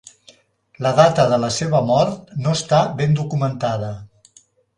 La data de la seva mort no està ben documentada.